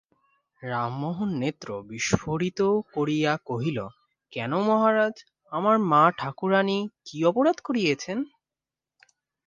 রামমোহন নেত্র বিস্ফারিত করিয়া কহিল, কেন মহারাজ, আমার মা-ঠাকুরানী কী অপরাধ করিয়াছেন?